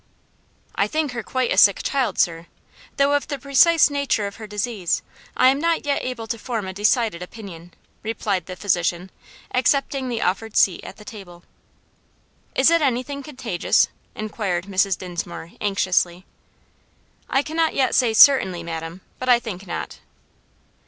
"I think her quite a sick child, sir, though of the precise nature of her disease I am not yet able to form a decided opinion," replied the physician, accepting the offered seat at the table. "Is it anything contagious?" inquired Mrs. Dinsmore anxiously. "I cannot yet say certainly, madam, but I think not."